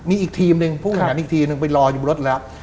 อีกทีมหนึ่งผู้กำลังไปรออยู่บนรถแล้ว